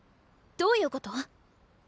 どういうこと？